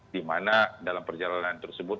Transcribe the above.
dimana dalam perjalanan tersebut